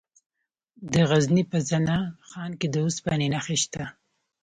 د غزني په زنه خان کې د اوسپنې نښې شته.